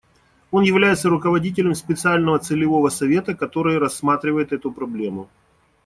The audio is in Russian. Он является руководителем специального целевого совета, который рассматривает эту проблему.